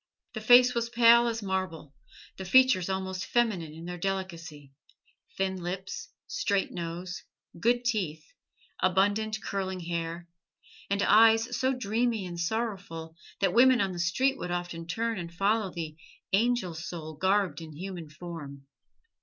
The face was pale as marble: the features almost feminine in their delicacy: thin lips, straight nose, good teeth, abundant, curling hair, and eyes so dreamy and sorrowful that women on the street would often turn and follow the "angel soul garbed in human form."